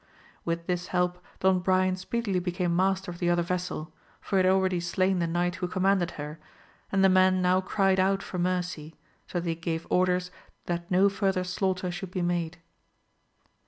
With this help Don Brian speedily became master of the other vessel, for he had already slain the knight who commanded her, and the men now cried out for mercy, so that he gave orders that no further slaughter should be made.